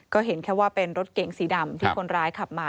ก็เห็นแค่ว่าเป็นรถเก๋งสีดำที่คนร้ายขับมา